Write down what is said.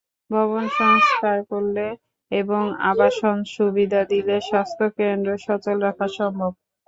ভবন সংস্কার করলে এবং আবাসন সুবিধা দিলে স্বাস্থ্যকেন্দ্র সচল রাখা সম্ভব।